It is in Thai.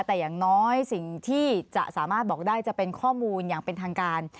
แต่อย่างน้อยสิ่งที่จะสามารถบอกได้จะเป็นข้อมูลอย่างเป็นทางการ